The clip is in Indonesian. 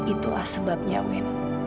itulah sebabnya win